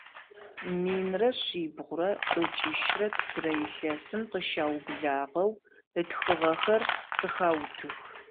Минрэ шъибгъурэ тӏокӏищрэ тфырэ илъэсым къыщыублагъэу ытхыгъэхэр къыхаутых.